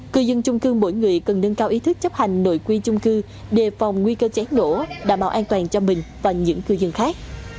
cư dân trung cư mỗi người cần nâng cao ý thức chấp hành nội quy trung cư đề phòng nguy cơ chán đổ đảm bảo an toàn cho mình và những cư dân khác